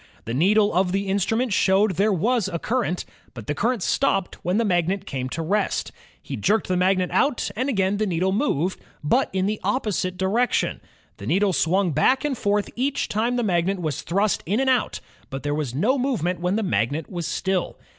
The needle of the instrument showed that there was a current, but the current stopped when the magnet came to rest. He jerked the magnet out, and again the needle moved, but in the opposite direction. The needle swung back and forth each time the magnet was thrust in and out, but there was no movement when the magnet was still.